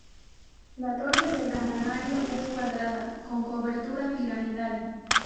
La torre del campanario es cuadrada con cobertura piramidal.